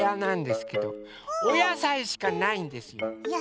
おやさいしかないんです！